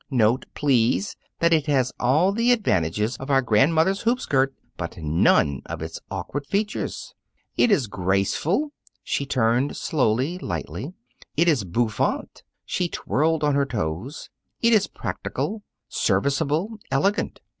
Note, please, that it has all the advantages of our grandmother's hoop skirt, but none of its awkward features. It is graceful" she turned slowly, lightly "it is bouffant" she twirled on her toes "it is practical, serviceable, elegant.